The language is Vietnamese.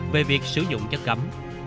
về việc sử dụng chất cấm